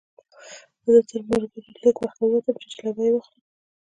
زه تر ملګرو لږ وخته ووتم چې جلبۍ واخلم.